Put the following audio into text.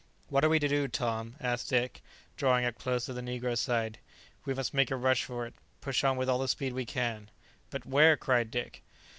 "What are we to do, Tom?" asked Dick, drawing up close to the negro's side. "We must make a rush for it; push on with all the speed we can." "But where?" cried Dick.